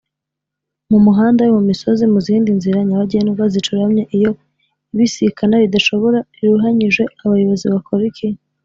mumuhanda yo mumisozi muzindi nzira nyabagendwa zicuramye iyo ibisikana ridashoboka riruhanyije abayobozi bakora iki